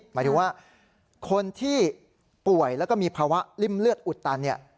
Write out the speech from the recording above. หมายถึงว่าคนที่ป่วยแล้วก็มีภาวะริ่มเลือดอุดตันเนี่ย